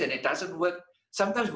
dan kadang kadang kita mencoba sesuatu